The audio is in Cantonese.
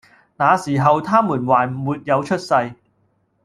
那時候，他們還沒有出世，